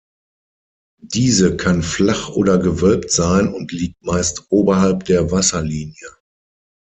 Diese kann flach oder gewölbt sein und liegt meist oberhalb der Wasserlinie.